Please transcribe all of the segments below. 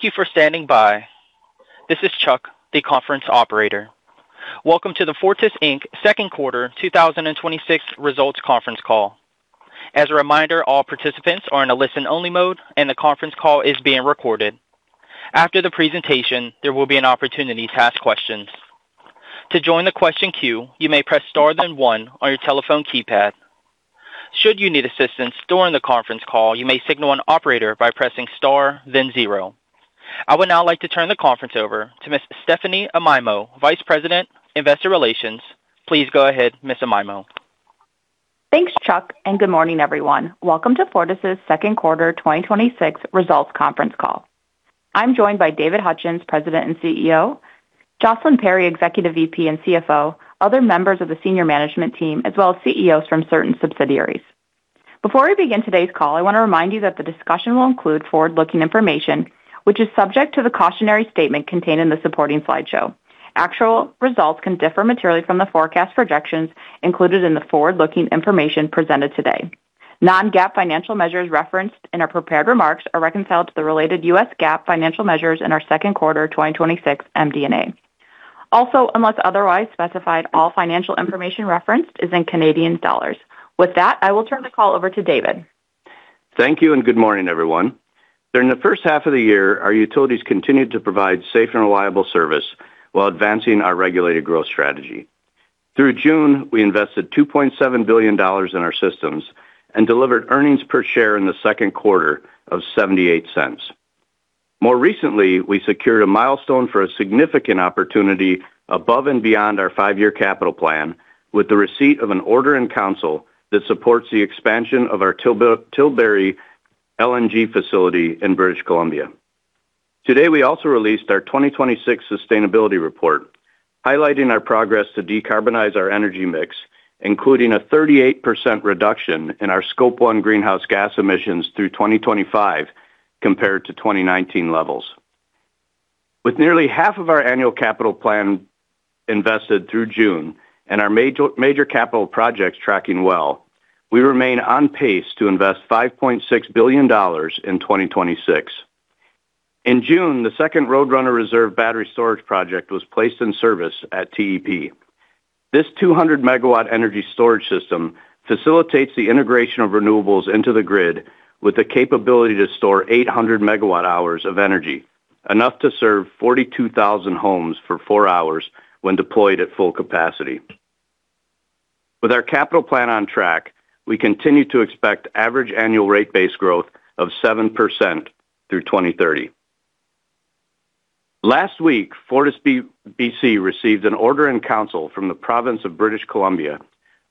Thank you for standing by. This is Chuck, the Conference Operator. Welcome to the Fortis Inc. Second Quarter 2026 Results Conference Call. As a reminder, all participants are in a listen-only mode, and the conference call is being recorded. After the presentation, there will be an opportunity to ask questions. To join the question queue, you may press star then one on your telephone keypad. Should you need assistance during the conference call, you may signal an operator by pressing star then zero. I would now like to turn the conference over to Miss Stephanie Amaimo, Vice President, Investor Relations. Please go ahead, Miss Amaimo. Thanks, Chuck, and good morning, everyone. Welcome to Fortis' Second Quarter 2026 Results Conference Call. I am joined by David Hutchens, President and CEO, Jocelyn Perry, Executive VP and CFO, other members of the senior management team, as well as CEOs from certain subsidiaries. Before we begin today's call, I want to remind you that the discussion will include forward-looking information, which is subject to the cautionary statement contained in the supporting slideshow. Actual results can differ materially from the forecast projections included in the forward-looking information presented today. Non-GAAP financial measures referenced in our prepared remarks are reconciled to the related U.S. GAAP financial measures in our second quarter 2026 MD&A. Also, unless otherwise specified, all financial information referenced is in Canadian dollars. With that, I will turn the call over to David. Thank you and good morning, everyone. During the first half of the year, our utilities continued to provide safe and reliable service while advancing our regulated growth strategy. Through June, we invested 2.7 billion dollars in our systems and delivered earnings per share in the second quarter of 0.78. More recently, we secured a milestone for a significant opportunity above and beyond our five-year capital plan with the receipt of an order-in-council that supports the expansion of our Tilbury LNG facility in British Columbia. Today, we also released our 2026 sustainability report, highlighting our progress to decarbonize our energy mix, including a 38% reduction in our Scope 1 greenhouse gas emissions through 2025 compared to 2019 levels. With nearly half of our annual capital plan invested through June and our major capital projects tracking well, we remain on pace to invest 5.6 billion dollars in 2026. In June, the second Roadrunner Reserve battery storage project was placed in service at TEP. This 200 MW energy storage system facilitates the integration of renewables into the grid with the capability to store 800 MWh of energy, enough to serve 42,000 homes for four hours when deployed at full capacity. With our capital plan on track, we continue to expect average annual rate base growth of 7% through 2030. Last week, FortisBC received an order-in-council from the province of British Columbia,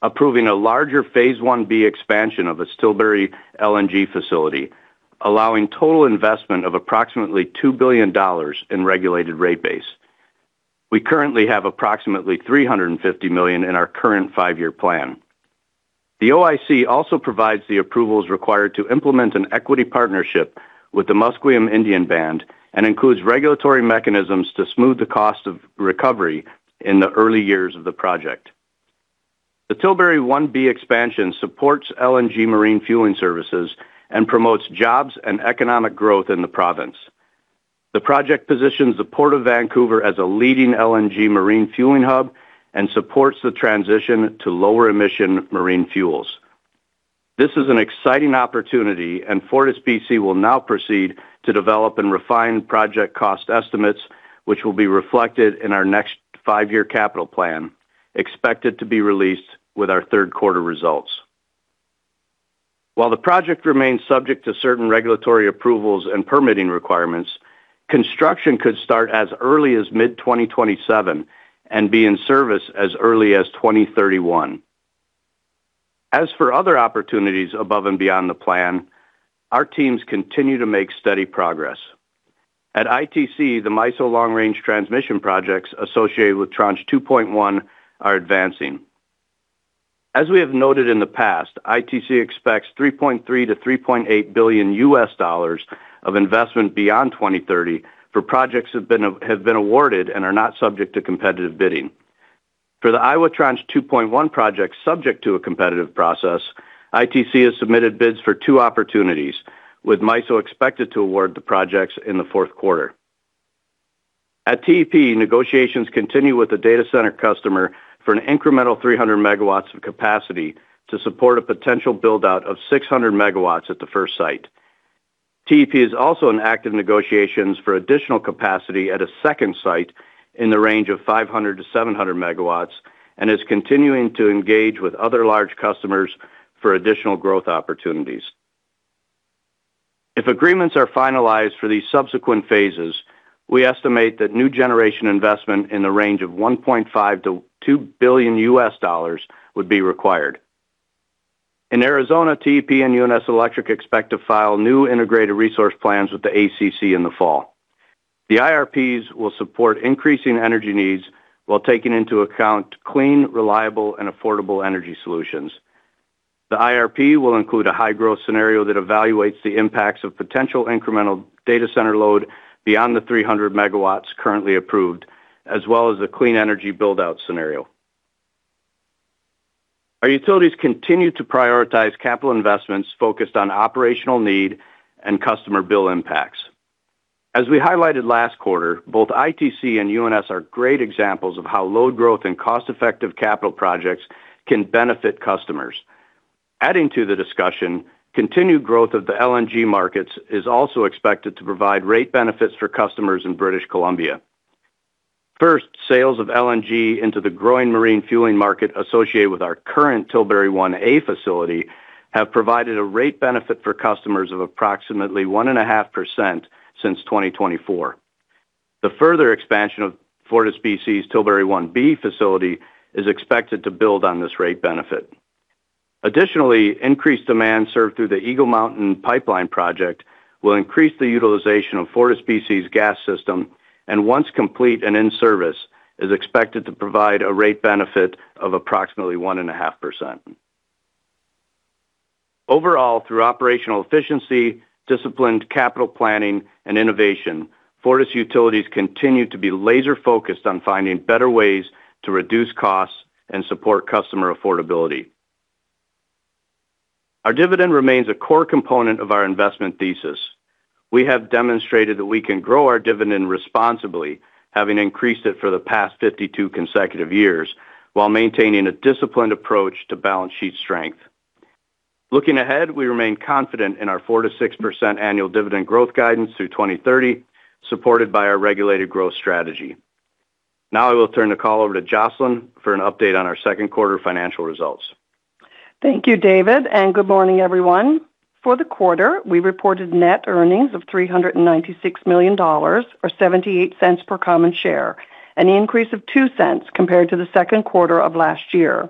approving a larger Phase 1B expansion of its Tilbury LNG facility, allowing total investment of approximately 2 billion dollars in regulated rate base. We currently have approximately 350 million in our current five-year plan. The OIC also provides the approvals required to implement an equity partnership with the Musqueam Indian Band and includes regulatory mechanisms to smooth the cost of recovery in the early years of the project. The Tilbury 1B expansion supports LNG marine fueling services and promotes jobs and economic growth in the province. The project positions the Port of Vancouver as a leading LNG marine fueling hub and supports the transition to lower-emission marine fuels. This is an exciting opportunity. FortisBC will now proceed to develop and refine project cost estimates, which will be reflected in our next five-year capital plan, expected to be released with our third-quarter results. While the project remains subject to certain regulatory approvals and permitting requirements, construction could start as early as mid-2027 and be in service as early as 2031. As for other opportunities above and beyond the plan, our teams continue to make steady progress. At ITC, the MISO long-range transmission projects associated with Tranche 2.1 are advancing. As we have noted in the past, ITC expects $3.3 billion-$3.8 billion U.S. dollars of investment beyond 2030 for projects that have been awarded and are not subject to competitive bidding. For the Iowa Tranche 2.1 project subject to a competitive process, ITC has submitted bids for two opportunities, with MISO expected to award the projects in the fourth quarter. At TEP, negotiations continue with the data center customer for an incremental 300 MW of capacity to support a potential build-out of 600 MW at the first site. TEP is also in active negotiations for additional capacity at a second site in the range of 500 MW-700 MW and is continuing to engage with other large customers for additional growth opportunities. If agreements are finalized for these subsequent phases, we estimate that new generation investment in the range of $1.5 billion-$2 billion U.S. dollars would be required. In Arizona, TEP and UNS Electric expect to file new Integrated Resource Plans with the ACC in the fall. The IRPs will support increasing energy needs while taking into account clean, reliable, and affordable energy solutions. The IRP will include a high-growth scenario that evaluates the impacts of potential incremental data center load beyond the 300 MW currently approved, as well as a clean energy build-out scenario. Our utilities continue to prioritize capital investments focused on operational need and customer bill impacts. As we highlighted last quarter, both ITC and UNS are great examples of how load growth and cost-effective capital projects can benefit customers. Adding to the discussion, continued growth of the LNG markets is also expected to provide rate benefits for customers in British Columbia. First, sales of LNG into the growing marine fueling market associated with our current Tilbury 1A facility have provided a rate benefit for customers of approximately 1.5% since 2024. The further expansion of FortisBC's Tilbury 1B facility is expected to build on this rate benefit. Additionally, increased demand served through the Eagle Mountain Pipeline Project will increase the utilization of FortisBC's gas system. Once complete and in service, it is expected to provide a rate benefit of approximately 1.5%. Overall, through operational efficiency, disciplined capital planning, and innovation, Fortis utilities continue to be laser-focused on finding better ways to reduce costs and support customer affordability. Our dividend remains a core component of our investment thesis. We have demonstrated that we can grow our dividend responsibly, having increased it for the past 52 consecutive years, while maintaining a disciplined approach to balance sheet strength. Looking ahead, we remain confident in our 4%-6% annual dividend growth guidance through 2030, supported by our regulated growth strategy. Now I will turn the call over to Jocelyn for an update on our second quarter financial results. Thank you, David, good morning, everyone. For the quarter, we reported net earnings of 396 million dollars, or 0.78 per common share, an increase of 0.02 compared to the second quarter of last year.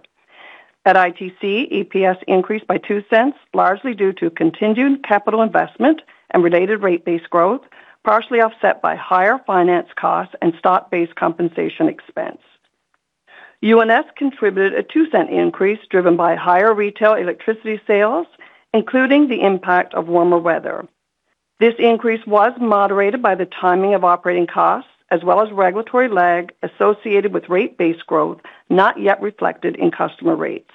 At ITC, EPS increased by 0.02, largely due to continued capital investment and related rate-based growth, partially offset by higher finance costs and stock-based compensation expense. UNS contributed a 0.02 increase, driven by higher retail electricity sales, including the impact of warmer weather. This increase was moderated by the timing of operating costs as well as regulatory lag associated with rate-based growth not yet reflected in customer rates.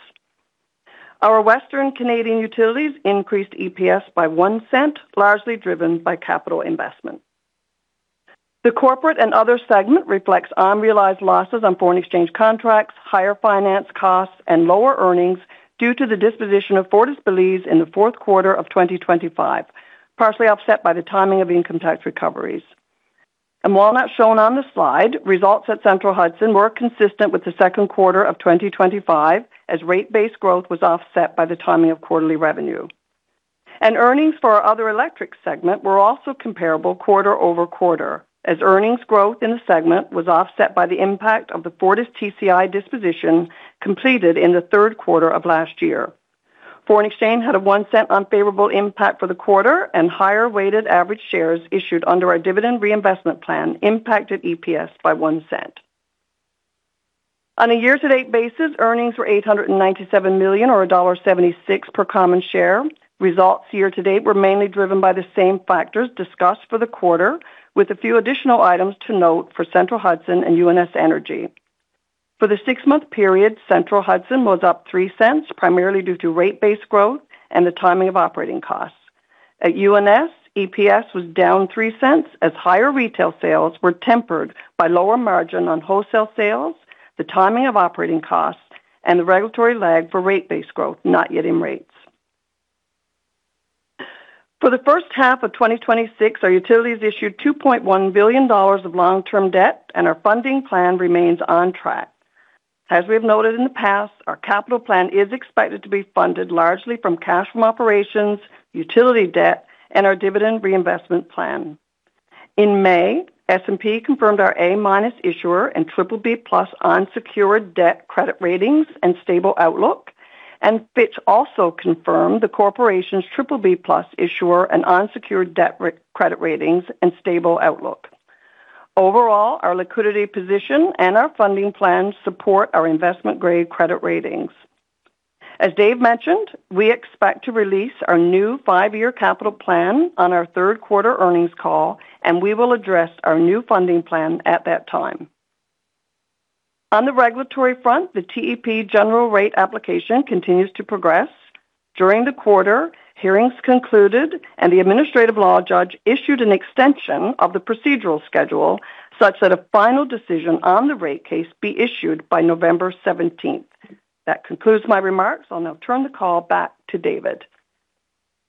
Our Western Canadian utilities increased EPS by 0.01, largely driven by capital investment. The corporate and other segment reflects unrealized losses on foreign exchange contracts, higher finance costs, and lower earnings due to the disposition of Fortis Belize in the fourth quarter of 2025, partially offset by the timing of income tax recoveries. While not shown on the slide, results at Central Hudson were consistent with the second quarter of 2025, as rate-based growth was offset by the timing of quarterly revenue. Earnings for our other electric segment were also comparable quarter-over-quarter, as earnings growth in the segment was offset by the impact of the FortisTCI disposition completed in the third quarter of last year. Foreign exchange had a 0.01 unfavorable impact for the quarter, and higher weighted average shares issued under our dividend reinvestment plan impacted EPS by 0.01. On a year-to-date basis, earnings were 897 million, or dollar 1.76 per common share. Results year-to-date were mainly driven by the same factors discussed for the quarter, with a few additional items to note for Central Hudson and UNS Energy. For the six-month period, Central Hudson was up 0.03, primarily due to rate-based growth and the timing of operating costs. At UNS, EPS was down 0.03, as higher retail sales were tempered by lower margin on wholesale sales, the timing of operating costs, and the regulatory lag for rate-based growth not yet in rates. For the first half of 2026, our utilities issued 2.1 billion dollars of long-term debt, our funding plan remains on track. As we have noted in the past, our capital plan is expected to be funded largely from cash from operations, utility debt, and our dividend reinvestment plan. In May, S&P confirmed our A- issuer and BBB+ unsecured debt credit ratings and stable outlook. Fitch also confirmed the corporation's BBB+ issuer and unsecured debt credit ratings and stable outlook. Overall, our liquidity position and our funding plans support our investment-grade credit ratings. As Dave mentioned, we expect to release our new five-year capital plan on our third quarter earnings call. We will address our new funding plan at that time. On the regulatory front, the TEP general rate application continues to progress. During the quarter, hearings concluded. The administrative law judge issued an extension of the procedural schedule such that a final decision on the rate case be issued by November 17th. That concludes my remarks. I will now turn the call back to David.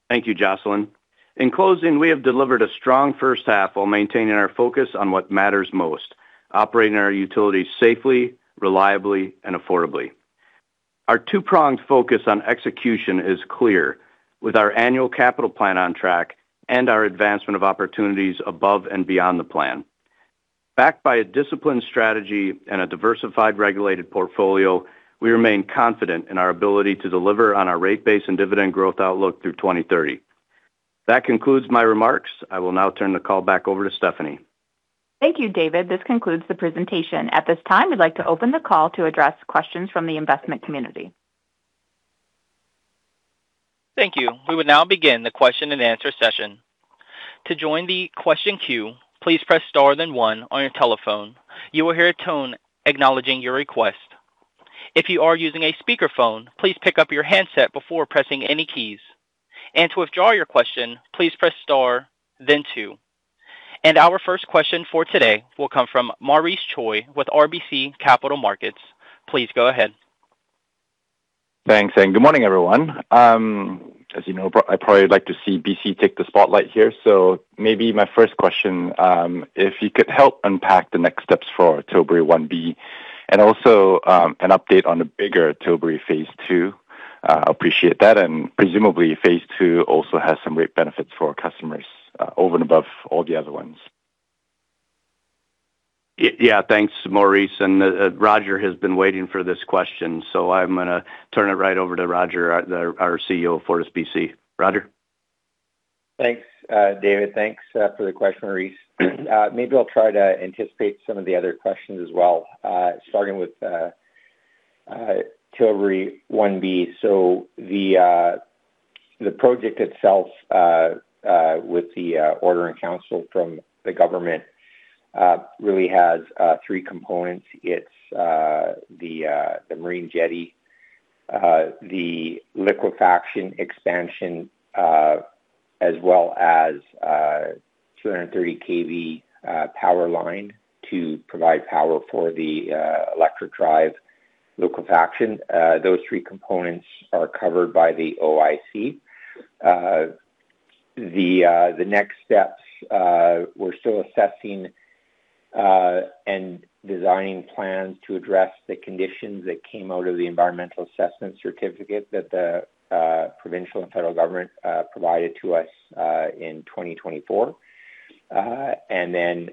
Thank you, Jocelyn. In closing, we have delivered a strong first half while maintaining our focus on what matters most: operating our utilities safely, reliably, and affordably. Our two-pronged focus on execution is clear, with our annual capital plan on track and our advancement of opportunities above and beyond the plan. Backed by a disciplined strategy and a diversified regulated portfolio, we remain confident in our ability to deliver on our rate base and dividend growth outlook through 2030. That concludes my remarks. I will now turn the call back over to Stephanie. Thank you, David. This concludes the presentation. At this time, we would like to open the call to address questions from the investment community. Thank you. We will now begin the question and answer session. To join the question queue, please press star then one on your telephone. You will hear a tone acknowledging your request. If you are using a speakerphone, please pick up your handset before pressing any keys. To withdraw your question, please press star then two. Our first question for today will come from Maurice Choy with RBC Capital Markets. Please go ahead. Thanks, good morning, everyone. As you know, I'd probably like to see BC take the spotlight here. Maybe my first question, if you could help unpack the next steps for Tilbury 1B and also, an update on the bigger Tilbury phase II. Appreciate that, presumably phase II also has some rate benefits for customers over and above all the other ones. Thanks, Maurice. Roger has been waiting for this question, I'm going to turn it right over to Roger, our CEO of FortisBC. Roger. Thanks, David. Thanks for the question, Maurice. Maybe I'll try to anticipate some of the other questions as well, starting with Tilbury 1B. The project itself, with the order-in-council from the government, really has three components. It's the marine jetty, the liquefaction expansion, as well as a 230 kV power line to provide power for the electric drive liquefaction. Those three components are covered by the OIC. The next steps, we're still assessing and designing plans to address the conditions that came out of the environmental assessment certificate that the provincial and federal government provided to us in 2024. Then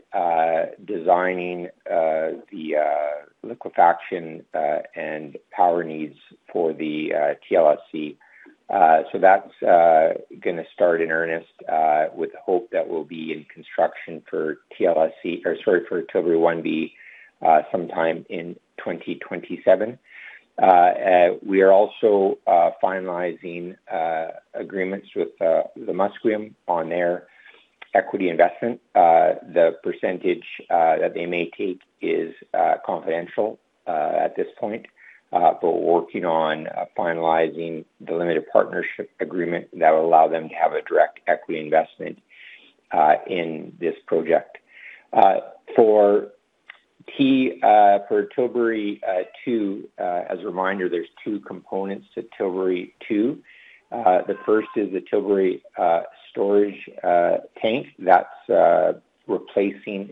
designing the liquefaction and power needs for the TLSE. That's going to start in earnest with hope that we'll be in construction for Tilbury 1B sometime in 2027. We are also finalizing agreements with the Musqueam on their equity investment. The percentage that they may take is confidential at this point, we're working on finalizing the limited partnership agreement that will allow them to have a direct equity investment in this project. For Tilbury2, as a reminder, there's two components to Tilbury2. The first is the Tilbury storage tank that's replacing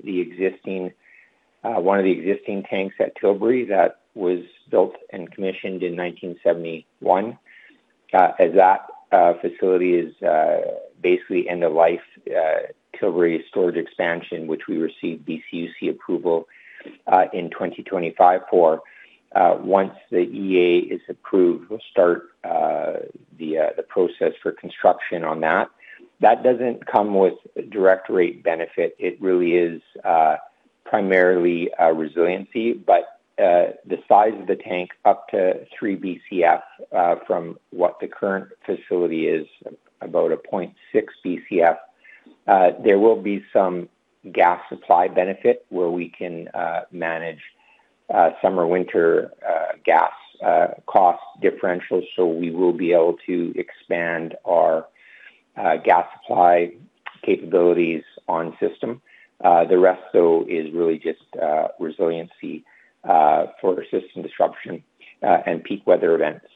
one of the existing tanks at Tilbury that was built and commissioned in 1971, as that facility is basically end of life. Tilbury storage expansion, which we received BCUC approval in 2025 for. Once the EA is approved, we'll start the process for construction on that. That doesn't come with direct rate benefit. It really is primarily resiliency. The size of the tank up to 3 BCF from what the current facility is, about a 0.6 BCF. There will be some gas supply benefit where we can manage summer-winter gas cost differentials. We will be able to expand our gas supply capabilities on system. The rest, though, is really just resiliency for system disruption and peak weather events.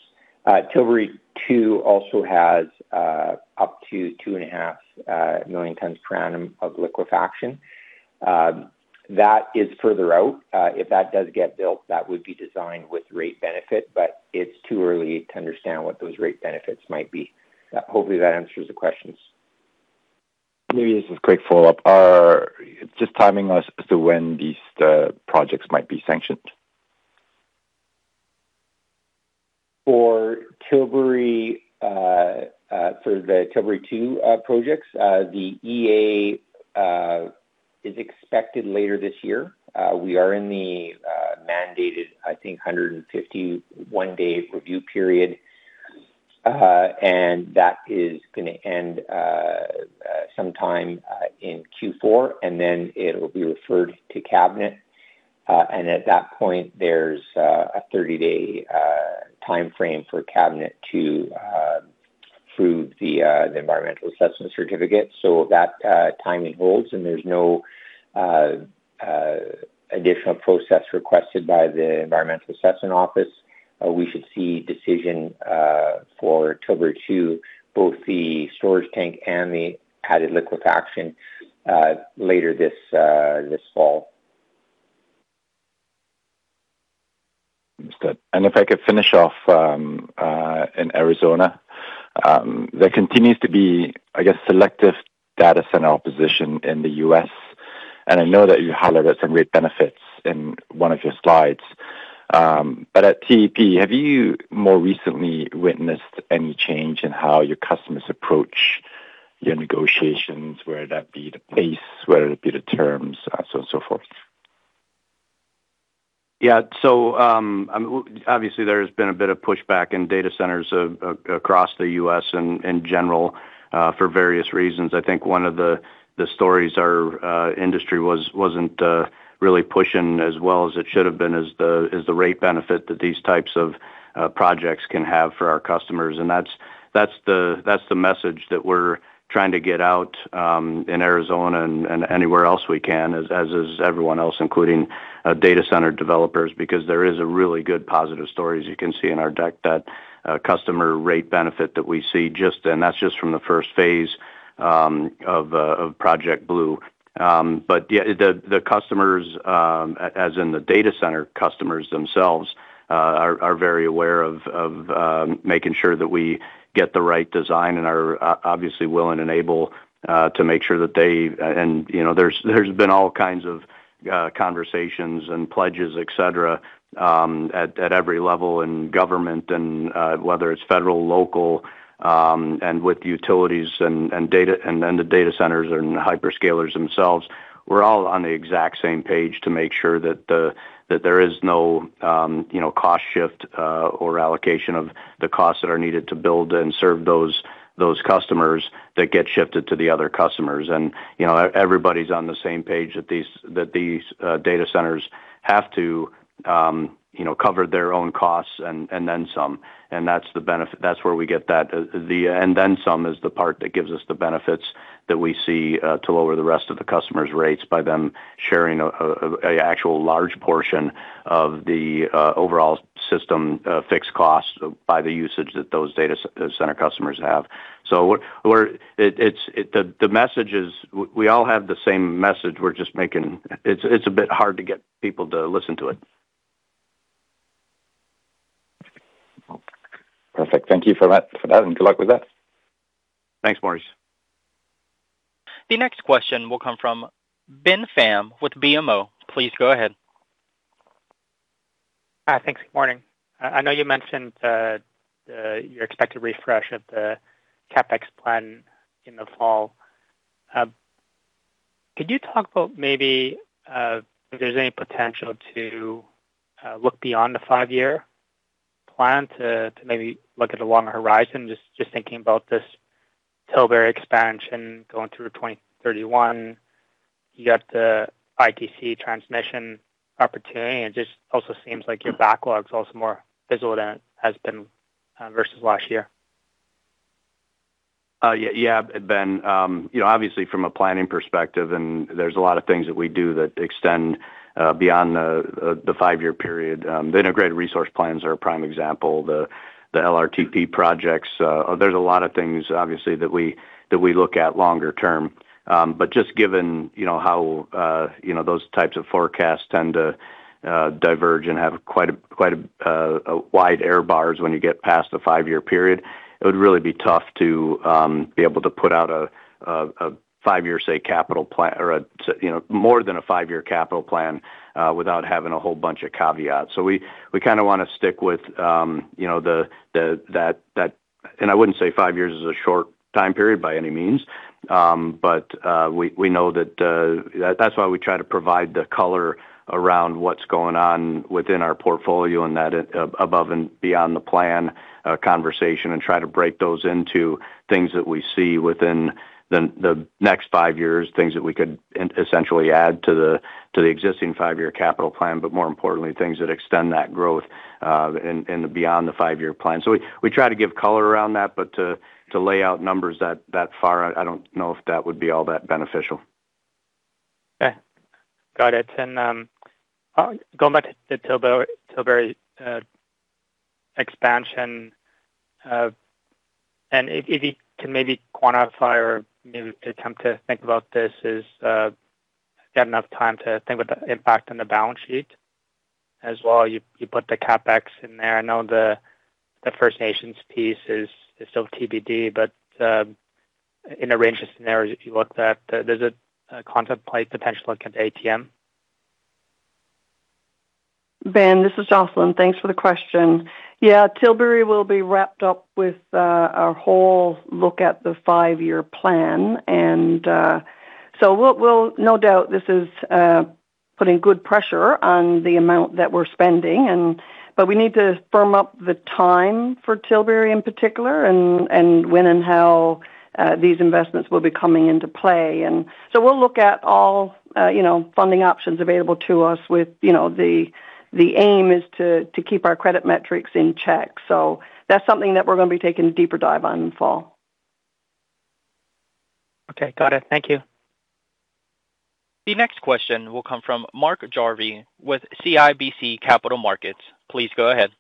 Tilbury2 also has up to 2.5 million tons per annum of liquefaction. That is further out. If that does get built, that would be designed with rate benefit, but it is too early to understand what those rate benefits might be. Hopefully, that answers the questions. Maybe this is a quick follow-up. Just timing as to when these projects might be sanctioned. For the Tilbury2 projects, the EA is expected later this year. We are in the mandated, I think, 151-day review period. That is going to end sometime in Q4, and then it'll be referred to Cabinet. At that point, there's a 30-day timeframe for Cabinet to approve the environmental assessment certificate. If that timing holds and there's no additional process requested by the Environmental Assessment Office, we should see decision for Tilbury2, both the storage tank and the added liquefaction later this fall. That's good. If I could finish off in Arizona. There continues to be, I guess, selective data center opposition in the U.S., and I know that you highlighted some rate benefits in one of your slides. At TEP, have you more recently witnessed any change in how your customers approach your negotiations, whether that be the pace, whether it be the terms, so on and so forth? Obviously there's been a bit of pushback in data centers across the U.S. in general for various reasons. I think one of the stories our industry wasn't really pushing as well as it should have been is the rate benefit that these types of projects can have for our customers. That's the message that we're trying to get out in Arizona and anywhere else we can, as is everyone else, including data center developers, because there is a really good positive story as you can see in our deck, that customer rate benefit that we see. That's just from the first phase of Project Blue. The customers, as in the data center customers themselves, are very aware of making sure that we get the right design and are obviously willing and able to make sure that There's been all kinds of conversations and pledges, et cetera, at every level in government and whether it's federal, local, with utilities, the data centers and hyperscalers themselves. We're all on the exact same page to make sure that there is no cost shift or allocation of the costs that are needed to build and serve those customers that get shifted to the other customers. Everybody's on the same page that these data centers have to cover their own costs and then some. That's where we get that. The then some is the part that gives us the benefits that we see to lower the rest of the customers' rates by them sharing an actual large portion of the overall system fixed cost by the usage that those data center customers have. We all have the same message, it's a bit hard to get people to listen to it. Perfect. Thank you for that, good luck with that. Thanks, Maurice. The next question will come from Ben Pham with BMO. Please go ahead. Hi, thanks. Good morning. I know you mentioned your expected refresh of the CapEx plan in the fall. Could you talk about maybe if there's any potential to look beyond the five-year plan to maybe look at a longer horizon? Just thinking about this Tilbury expansion going through 2031. You got the ITC transmission opportunity, and just also seems like your backlog is also more visible than it has been versus last year. Yeah. Ben, obviously from a planning perspective, there's a lot of things that we do that extend beyond the five-year period. The Integrated Resource Plans are a prime example. The LRTP projects. There's a lot of things, obviously, that we look at longer term. Just given how those types of forecasts tend to diverge and have quite wide error bars when you get past the five-year period, it would really be tough to be able to put out more than a five-year capital plan without having a whole bunch of caveats. We want to stick with that. I wouldn't say five years is a short time period by any means. That's why we try to provide the color around what's going on within our portfolio and that above and beyond the plan conversation and try to break those into things that we see within the next five years, things that we could essentially add to the existing five-year capital plan, but more importantly, things that extend that growth in the beyond the five-year plan. We try to give color around that, but to lay out numbers that far out, I don't know if that would be all that beneficial. Okay. Got it. Going back to the Tilbury expansion, if you can maybe quantify or maybe attempt to think about this, is had enough time to think about the impact on the balance sheet as well? You put the CapEx in there. I know the First Nations piece is still TBD, but in a range of scenarios, if you looked at, does it contemplate potential look at ATM? Ben, this is Jocelyn. Thanks for the question. Tilbury will be wrapped up with our whole look at the five-year plan. No doubt this is putting good pressure on the amount that we're spending, but we need to firm up the time for Tilbury in particular and when and how these investments will be coming into play. We'll look at all funding options available to us with the aim is to keep our credit metrics in check. That's something that we're going to be taking a deeper dive on in the fall. Okay. Got it. Thank you. The next question will come from Mark Jarvi with CIBC Capital Markets. Please go ahead.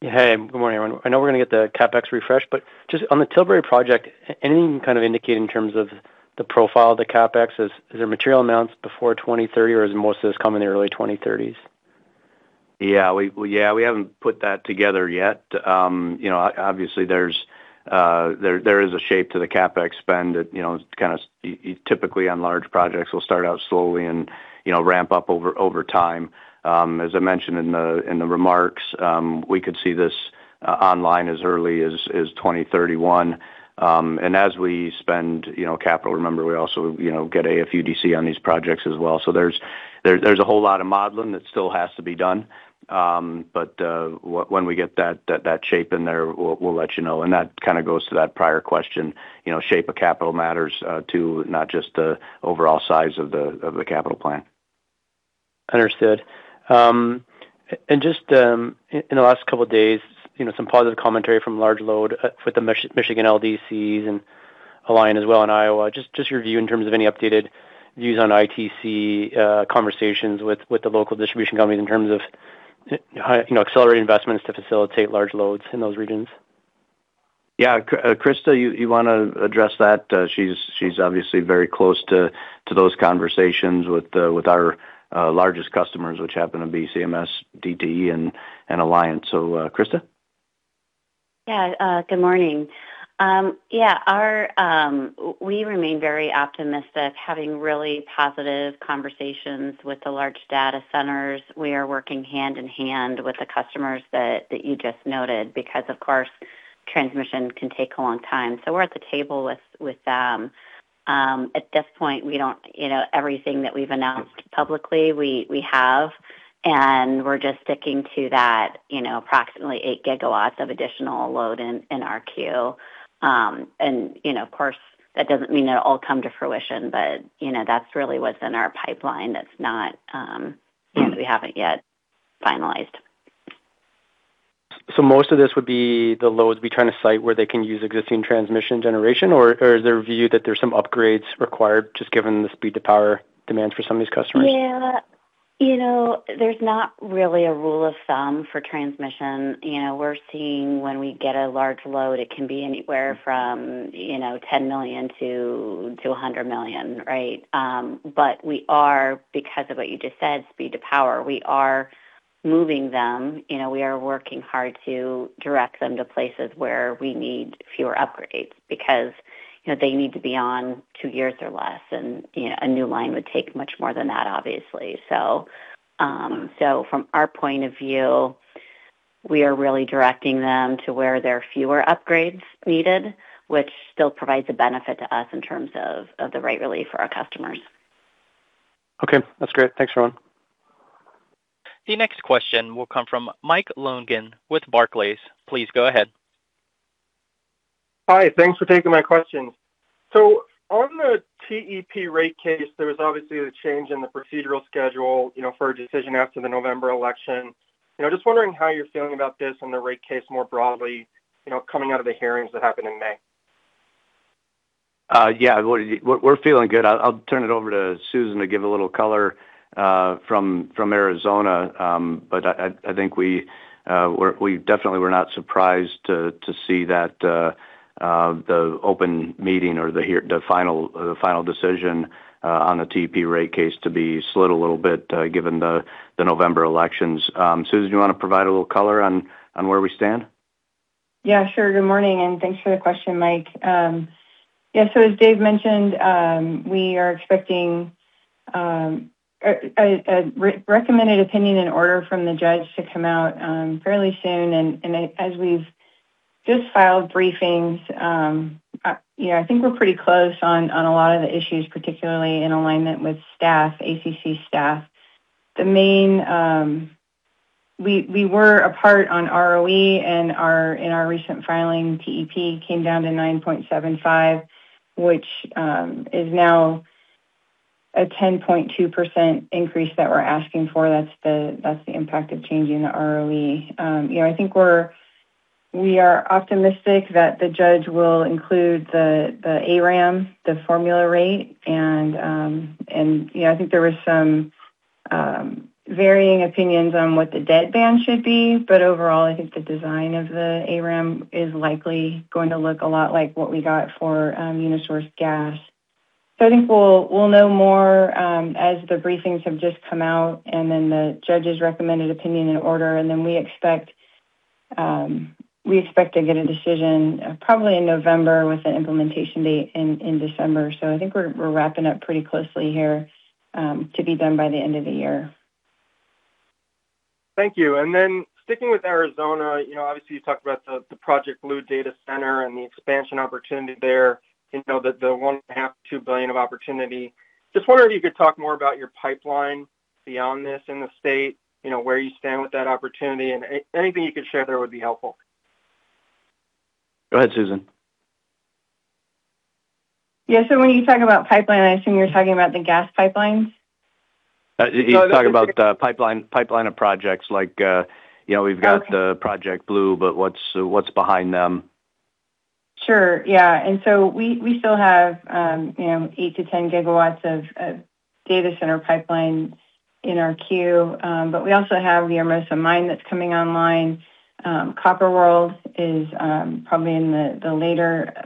Hey, good morning, everyone. I know we're going to get the CapEx refresh, but just on the Tilbury project, anything you can kind of indicate in terms of the profile of the CapEx? Is there material amounts before 2030 or does most of this come in the early 2030s? Yeah, we haven't put that together yet. Obviously There is a shape to the CapEx spend that kind of typically on large projects will start out slowly and ramp up over time. As I mentioned in the remarks, we could see this online as early as 2031. As we spend capital, remember, we also get AFUDC on these projects as well. There's a whole lot of modeling that still has to be done. When we get that shape in there, we'll let you know. That kind of goes to that prior question, shape of capital matters, too, not just the overall size of the capital plan. Understood. Just in the last couple of days, some positive commentary from large load with the Michigan LDCs and Alliant as well in Iowa. Just your view in terms of any updated views on ITC conversations with the local distribution companies in terms of accelerated investments to facilitate large loads in those regions. Yeah. Krista, you want to address that? She's obviously very close to those conversations with our largest customers, which happen to be CMS, DTE, and Alliant. Krista? Yeah. Good morning. Yeah, we remain very optimistic, having really positive conversations with the large data centers. We are working hand in hand with the customers that you just noted, because, of course, transmission can take a long time. We're at the table with them. At this point, everything that we've announced publicly, we have, and we're just sticking to that approximately eight gigawatts of additional load in our queue. Of course, that doesn't mean it'll all come to fruition. That's really what's in our pipeline that's not- we haven't yet finalized. Most of this would be the loads we try to site where they can use existing transmission generation? Is there a view that there's some upgrades required just given the speed to power demands for some of these customers? Yeah. There's not really a rule of thumb for transmission. We're seeing when we get a large load, it can be anywhere from 10 million-100 million, right? We are, because of what you just said, speed to power, we are moving them. We are working hard to direct them to places where we need fewer upgrades because they need to be on two years or less, and a new line would take much more than that, obviously. From our point of view, we are really directing them to where there are fewer upgrades needed, which still provides a benefit to us in terms of the rate relief for our customers. Okay. That's great. Thanks, everyone. The next question will come from Michael Long with Barclays. Please go ahead. Hi. Thanks for taking my questions. On the TEP rate case, there was obviously a change in the procedural schedule for a decision after the November election. Just wondering how you're feeling about this and the rate case more broadly coming out of the hearings that happened in May. Yeah. We're feeling good. I'll turn it over to Susan to give a little color from Arizona. I think we definitely were not surprised to see that the open meeting or the final decision on the TEP rate case to be slid a little bit given the November elections. Susan, do you want to provide a little color on where we stand? Yeah, sure. Good morning, and thanks for the question, Mike. As Dave mentioned, we are expecting a recommended opinion and order from the judge to come out fairly soon. As we've just filed briefings, I think we're pretty close on a lot of the issues, particularly in alignment with staff, ACC staff. We were apart on ROE in our recent filing. TEP came down to 9.75%, which is now a 10.2% increase that we're asking for. That's the impact of changing the ROE. I think we are optimistic that the judge will include the ARAM, the formula rate. I think there was some varying opinions on what the debt ban should be. Overall, I think the design of the ARAM is likely going to look a lot like what we got for UniSource Gas. I think we'll know more as the briefings have just come out, the judge's recommended opinion and order. We expect to get a decision probably in November with an implementation date in December. I think we're wrapping up pretty closely here to be done by the end of the year. Thank you. Sticking with Arizona, obviously, you talked about the Project Blue data center and the expansion opportunity there, the 1.5 billion-2 billion of opportunity. Just wondering if you could talk more about your pipeline beyond this in the state, where you stand with that opportunity, and anything you could share there would be helpful. Go ahead, Susan. Yeah. When you talk about pipeline, I assume you're talking about the gas pipelines? No, I was just going to, He's talking about the pipeline of projects. Like, We've got the Project Blue, but what's behind them. Sure. Yeah. We still have 8 GW-10 GW of data center pipeline in our queue. We also have the Hermosa Mine that's coming online. Copper World is probably in the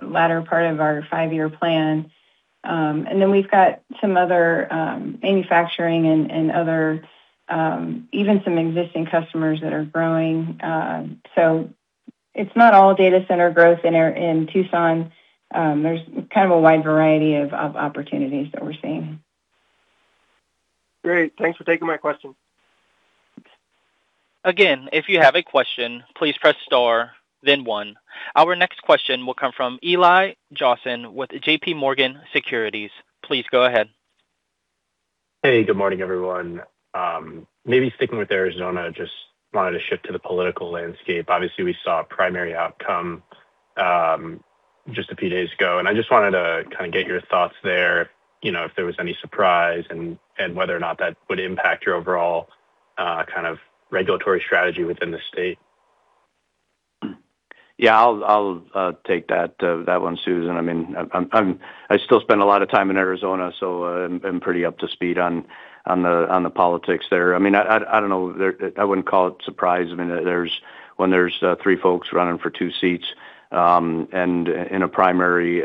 latter part of our five-year plan. We've got some other manufacturing and even some existing customers that are growing. It's not all data center growth in Tucson. There's a wide variety of opportunities that we're seeing. Great. Thanks for taking my question. If you have a question, please press star then one. Our next question will come from Eli Josien with JPMorgan Securities. Please go ahead. Hey, good morning, everyone. Maybe sticking with Arizona, just wanted to shift to the political landscape. Obviously, we saw a primary outcome just a few days ago, and I just wanted to get your thoughts there, if there was any surprise and whether or not that would impact your overall regulatory strategy within the state. Yeah, I'll take that one, Susan. I still spend a lot of time in Arizona, so I'm pretty up to speed on the politics there. I don't know. I wouldn't call it surprise. When there's three folks running for two seats in a primary,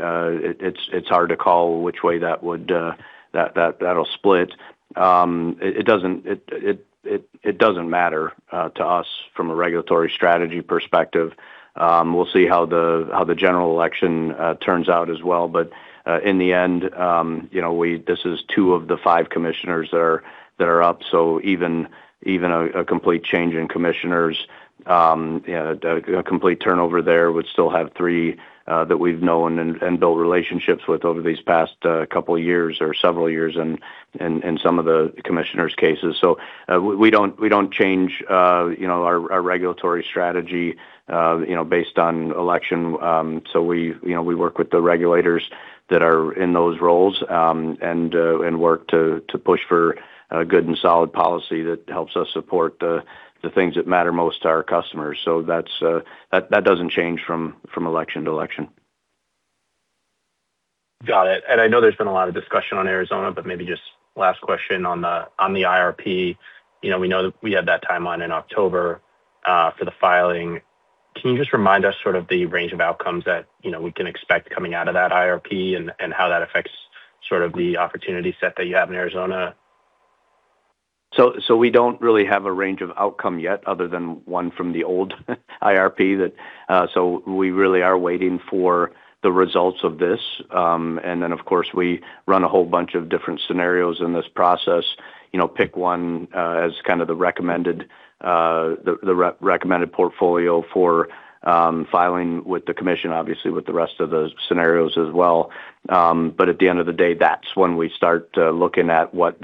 it's hard to call which way that'll split. It doesn't matter to us from a regulatory strategy perspective. We'll see how the general election turns out as well. In the end, this is two of the five commissioners that are up. Even a complete change in commissioners, a complete turnover there, we still have three that we've known and built relationships with over these past couple of years or several years in some of the commissioners' cases. We don't change our regulatory strategy based on election. We work with the regulators that are in those roles and work to push for good and solid policy that helps us support the things that matter most to our customers. That doesn't change from election to election. Got it. I know there's been a lot of discussion on Arizona, but maybe just last question on the IRP. We know that we had that timeline in October for the filing. Can you just remind us the range of outcomes that we can expect coming out of that IRP and how that affects the opportunity set that you have in Arizona? We don't really have a range of outcome yet other than one from the old IRP. We really are waiting for the results of this. Of course, we run a whole bunch of different scenarios in this process, pick one as the recommended portfolio for filing with the commission, obviously with the rest of the scenarios as well. At the end of the day, that's when we start looking at what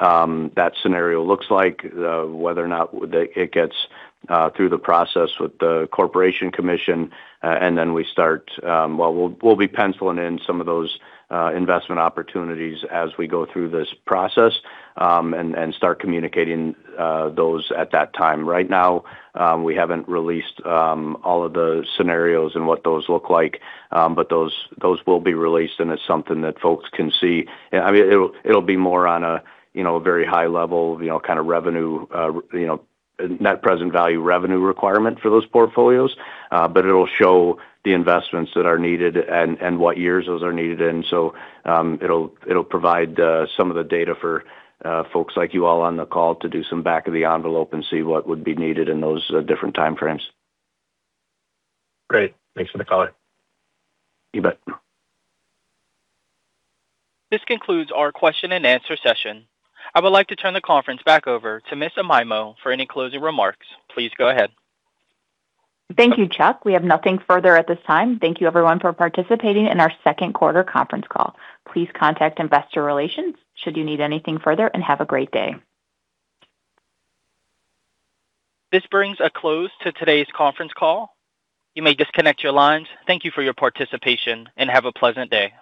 that scenario looks like, whether or not it gets through the process with the corporation commission, and then we'll be penciling in some of those investment opportunities as we go through this process and start communicating those at that time. Right now, we haven't released all of the scenarios and what those look like, but those will be released, and it's something that folks can see. It'll be more on a very high level net present value revenue requirement for those portfolios, it'll show the investments that are needed and what years those are needed in. It'll provide some of the data for folks like you all on the call to do some back of the envelope and see what would be needed in those different time frames. Great. Thanks for the color. You bet. This concludes our question and answer session. I would like to turn the conference back over to Ms. Amaimo for any closing remarks. Please go ahead. Thank you, Chuck. We have nothing further at this time. Thank you, everyone, for participating in our second quarter conference call. Please contact investor relations should you need anything further. Have a great day. This brings a close to today's conference call. You may disconnect your lines. Thank you for your participation. Have a pleasant day.